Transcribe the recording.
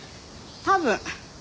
多分。